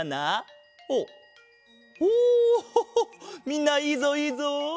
みんないいぞいいぞ！